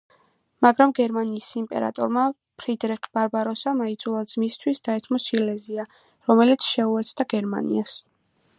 მაგრამ გერმანიის იმპერატორმა ფრიდრიხ ბარბაროსამ აიძულა ძმისთვის დაეთმო სილეზია, რომელიც შეუერთდა გერმანიას.